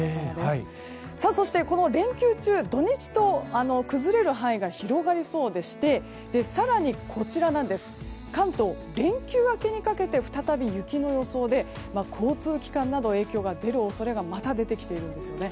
そして、この連休中土日と崩れる範囲が広がりそうでして更に関東、連休明けにかけて再び雪の予想で交通機関など影響が出る恐れがまた出てきています。